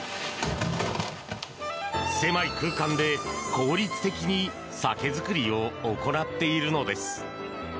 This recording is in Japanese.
狭い空間で効率的に酒造りを行っているのです。